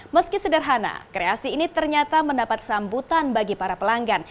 meski sederhana kreasi ini ternyata mendapat sambutan bagi para pelanggan